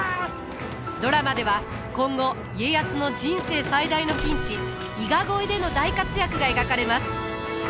ドラマでは今後家康の人生最大のピンチ伊賀越えでの大活躍が描かれます。